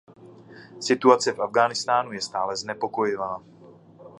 Situace v Afghánistánu je stále znepokojivá.